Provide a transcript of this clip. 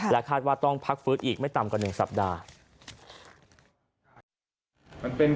คาดว่าต้องพักฟื้นอีกไม่ต่ำกว่า๑สัปดาห์